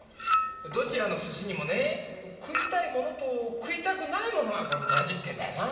どちらの寿司にもね食いたいものと食いたくないものがこれ混じってんだよなぁ。